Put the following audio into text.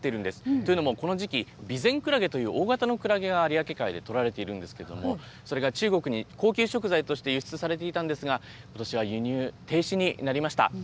というのも、この時期、ビゼンクラゲという大型のクラゲが有明海で取られているんですけれども、それが中国に高級食材として輸出されていたんですが、ことしは輸入停止になりました。